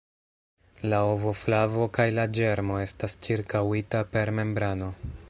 La ovoflavo kaj la ĝermo estas ĉirkaŭita per membrano.